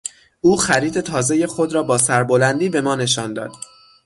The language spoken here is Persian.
او خرید تازهی خود را با سر بلندی به ما نشان داد.